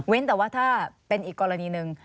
แต่ว่าถ้าเป็นอีกกรณีหนึ่ง